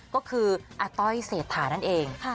ก็คืออัต้อยเสถานั่นเอง